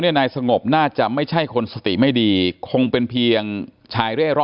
นายสงบน่าจะไม่ใช่คนสติไม่ดีคงเป็นเพียงชายเร่ร่อ